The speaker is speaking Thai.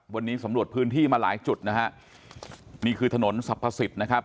วันนี้สำรวจพื้นที่มาหลายจุดนะฮะนี่คือถนนสรรพสิทธิ์นะครับ